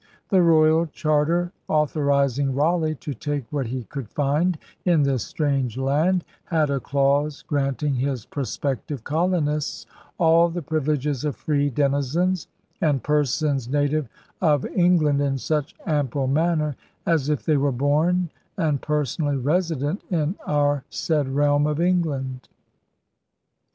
The royal charter au thorizing Raleigh to take what he could find in this strange land had a clause granting his prospective colonists 'all the privileges of free denizens and persons native of England in such ample manner as if they were born and personally resident in our said realm of England.